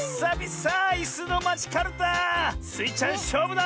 スイちゃんしょうぶだ！